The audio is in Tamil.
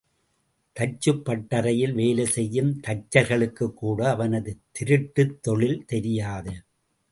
தச்சுப் பட்டறையில் வேலை செய்யும் தச்சர்களுக்குக்கூட அவனது திருட்டுத் தொழில் தெரியாது.